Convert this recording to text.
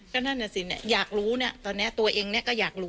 ใช่